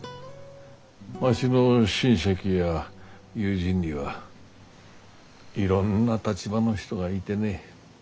わしの親戚や友人にはいろんな立場の人がいてね。